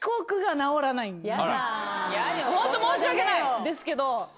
ホント申し訳ないんですけど。